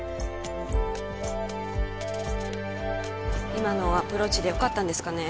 今のアプローチでよかったんですかね